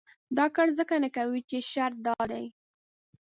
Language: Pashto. دا کار ځکه نه کوي چې شرط دا دی.